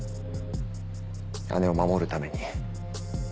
姉を守るために。